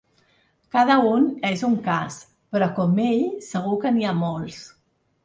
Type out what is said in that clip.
Cada un és un cas, però com ell segur que n’hi ha molts.